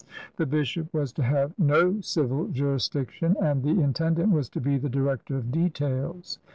The bishop was to have no civil juris diction, and the intendant was to be the director of details.